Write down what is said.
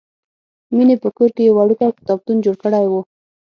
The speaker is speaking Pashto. مینې په کور کې یو وړوکی کتابتون جوړ کړی و